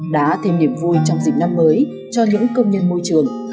đã thêm niềm vui trong dịp năm mới cho những công nhân môi trường